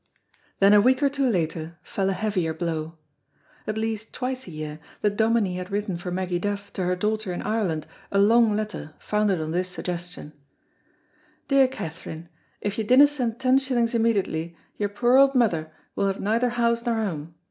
Then a week or two later fell a heavier blow. At least twice a year the Dominie had written for Meggy Duff to her daughter in Ireland a long letter founded on this suggestion, "Dear Kaytherine, if you dinna send ten shillings immediately, your puir auld mother will have neither house nor hame.